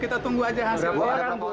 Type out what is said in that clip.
kita tunggu aja hasilnya